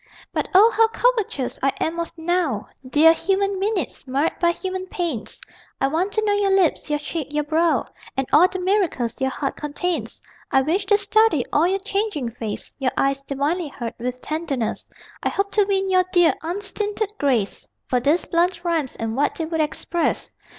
But O how covetous I am of NOW Dear human minutes, marred by human pains I want to know your lips, your cheek, your brow, And all the miracles your heart contains, I wish to study all your changing face, Your eyes, divinely hurt with tenderness; I hope to win your dear unstinted grace For these blunt rhymes and what they would express.